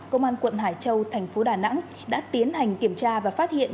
công an quận hải châu thành phố đà nẵng đã tiến hành kiểm tra và phát hiện